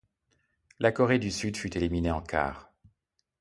La Corée du Sud fut éliminée en quarts.